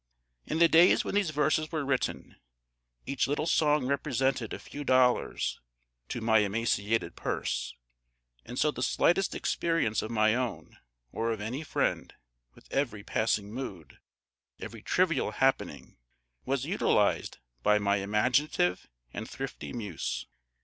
In the days when these verses were written, each little song represented a few dollars (to my emaciated purse), and so the slightest experience of my own, or of any friend, with every passing mood, every trivial happening, was utilised by my imaginative and thrifty muse.